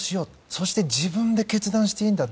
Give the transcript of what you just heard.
そして自分で決断していいんだ。